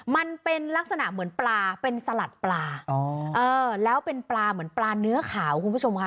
มันเป็นลักษณะเหมือนปลาเป็นสลัดปลาอ๋อเออแล้วเป็นปลาเหมือนปลาเนื้อขาวคุณผู้ชมค่ะ